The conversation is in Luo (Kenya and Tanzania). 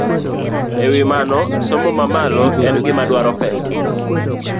E wi mano, somo mamalo en gima dwaro pesa.